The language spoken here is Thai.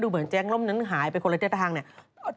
เหมือนแจ๊งล่มนั้นหายไปคนละทิศทางเนี่ย